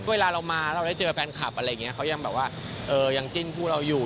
เวลาเรามาแล้วเราได้เจอแฟนคลับอะไรอย่างนี้เขายังแบบว่ายังจิ้นคู่เราอยู่